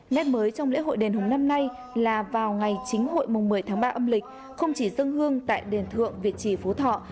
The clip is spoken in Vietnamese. nét mới trong lễ hội đền hùng năm nay là vào ngày chính hội mùng một mươi tháng ba âm lịch không chỉ dân hương tại đền thượng việt trì phú thọ